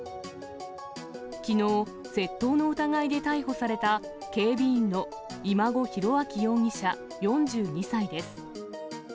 きのう、窃盗の疑いで逮捕された、警備員の今後広章容疑者４２歳です。